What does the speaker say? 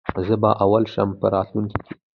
زه به اول شم په راتلونکې کي